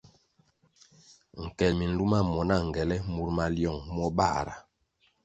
Nkel minluma muo na ngele mur maliong muo bãhra.